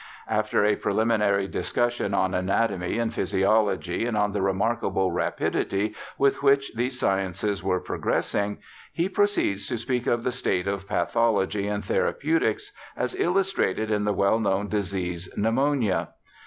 After a preliminary discussion on anatomy and physi ology, and on the remarkable rapidity with which these sciences were progressing, he proceeds to speak of ELISHA BARTLETT 137 the state of pathology and therapeutics as illustrated in the well known disease pneumonia.